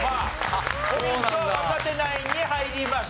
ポイントは若手ナインに入りました。